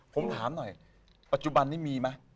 ผมถามหน่อยปัจจุบันนี้มีไหม